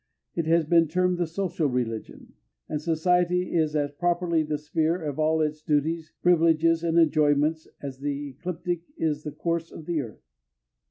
It has been termed the social religion, and society is as properly the sphere of all its duties, privileges, and enjoyments as the ecliptic is the course of the earth.